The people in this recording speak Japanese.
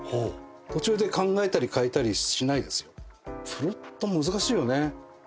プロット難しいよね。